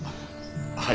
はい。